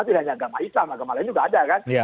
tidak hanya agama islam agama lain juga ada kan